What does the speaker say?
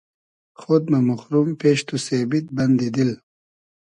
خۉد مۂ موخروم پیش تو سېبید بئندی دیل